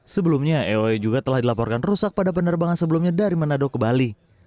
sebelumnya aoe juga telah dilaporkan rusak pada penerbangan sebelumnya dari manado ke bali